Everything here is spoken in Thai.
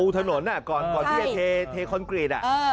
ถนนก่อนที่จะเทคอนกรีต